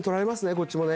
こっちもね」